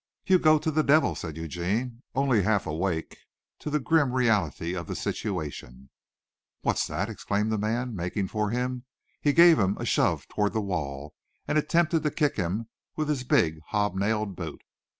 "You go to the devil," said Eugene, only half awake to the grim reality of the situation. "What's that!" exclaimed the man, making for him. He gave him a shove toward the wall, and attempted to kick him with his big, hob nailed boot.